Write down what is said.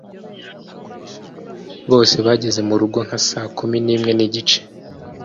Bose bageze murugo nka saa kumi n'imwe n'igice